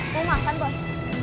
mau makan bos